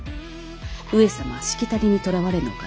上様はしきたりにとらわれぬお方。